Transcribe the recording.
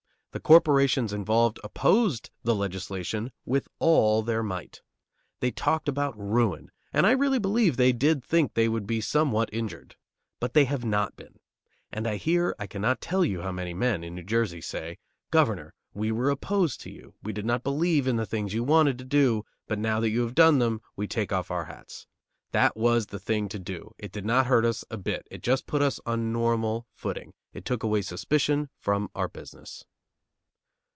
The corporations involved opposed the legislation with all their might. They talked about ruin, and I really believe they did think they would be somewhat injured. But they have not been. And I hear I cannot tell you how many men in New Jersey say: "Governor, we were opposed to you; we did not believe in the things you wanted to do, but now that you have done them, we take off our hats. That was the thing to do, it did not hurt us a bit; it just put us on a normal footing; it took away suspicion from our business."